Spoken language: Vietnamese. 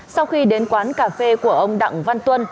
sau khi đến quán cà phê của ông đặng văn tuân